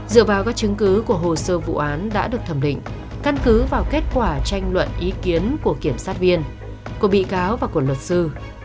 dựa vào các chứng cứ của hồ sơ vụ án đã được thẩm định căn cứ vào kết quả tranh luận ý kiến của kiểm sát viên của bị cáo và của luật sư